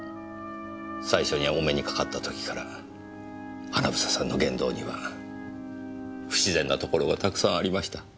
最初にお目にかかった時から英さんの言動には不自然なところがたくさんありました。